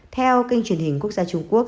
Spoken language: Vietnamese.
theo kênh truyền hình quốc gia trung quốc